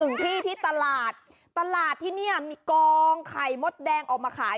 หนึ่งที่ที่ตลาดตลาดที่เนี่ยมีกองไข่มดแดงออกมาขาย